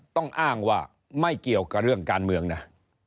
อ้างว่าไม่เกี่ยวกับเรื่องการเมืองนะ